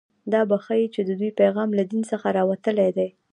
دا به ښيي چې د دوی پیغام له دین څخه راوتلی دی